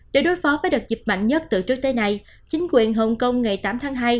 để đối phó với đợt dịch mạnh nhất từ trước tới nay chính quyền hồng kông ngày tám tháng hai